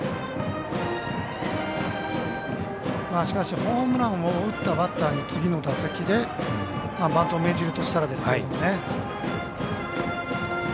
しかし、ホームランを打ったバッターに次の打席でバントを命じるとしたんですかね。